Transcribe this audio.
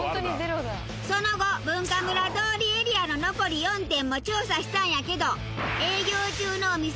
その後文化村通りエリアの残り４店も調査したんやけど。